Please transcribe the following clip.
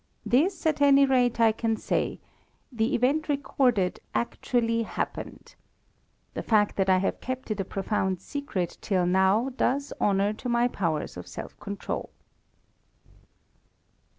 This, at any rate, I can say: the event recorded actually happened. The fact that I have kept it a profound secret till now does honour to my powers of self control.